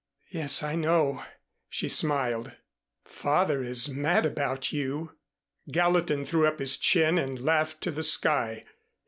"Yes, I know," she smiled. "Father is mad about you." Gallatin threw up his chin and laughed to the sky.